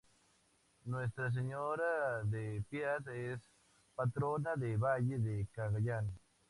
Nuestra Señora de Piat es patrona de Valle del Cagayán.